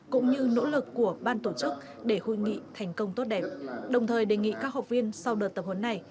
cũng như nỗ lực của ban tổ chức để hội nghị thành công tốt đẹp đồng thời đề nghị các học viên sau đợt tập huấn này